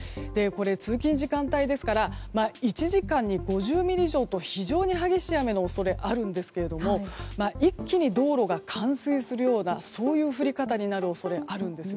通勤時間帯ですから１時間に５０ミリ以上と非常に激しい雨の恐れがあるんですが一気に道路が冠水するような降り方になる恐れがあるんです。